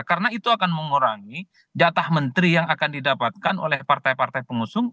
karena itu akan mengurangi jatah menteri yang akan didapatkan oleh partai partai pengusung